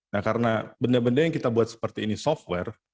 nah karena benda benda yang kita buat seperti ini software